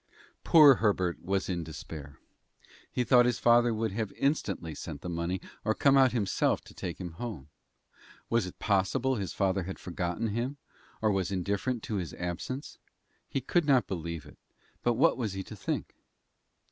Poor Herbert was in despair. He thought his father would have instantly sent the money, or come out himself to take him home. Was it possible his father had forgotten him, or was indifferent to his absence? He could not believe it, but what was he to think?